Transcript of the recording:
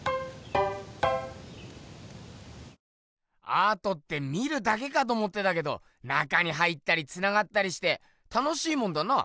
アートって見るだけかと思ってたけど中に入ったりつながったりして楽しいもんだな。